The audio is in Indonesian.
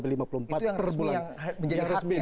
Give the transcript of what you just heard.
itu yang resmi yang menjadi hak ya